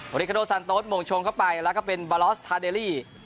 ริคาโดซันโต๊ดโมงชงเข้าไปแล้วก็เป็นบาลอสทาเดลี่